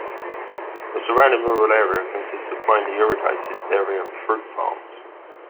The surrounding rural area consists of mainly irrigated dairy and fruit farms.